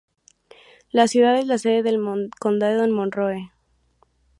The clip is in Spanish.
La ciudad es la sede del condado de Monroe.